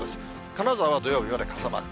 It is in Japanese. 金沢は土曜日まで傘マーク。